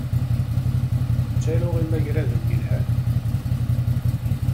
Ttaruɣ imagraden yelhan?